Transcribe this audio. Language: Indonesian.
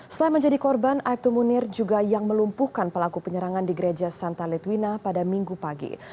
selain menjadi korban aibtu munir juga yang melumpuhkan pelaku penyerangan di gereja santa litwina pada minggu pagi